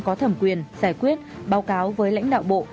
có thẩm quyền giải quyết báo cáo với lãnh đạo bộ